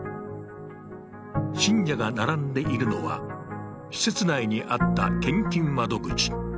信者が並んでいるのは、施設内にあった献金窓口。